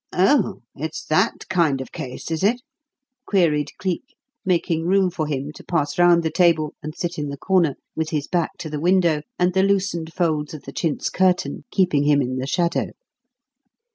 "Oh, it's that kind of case, is it?" queried Cleek, making room for him to pass round the table and sit in the corner, with his back to the window and the loosened folds of the chintz curtain keeping him in the shadow.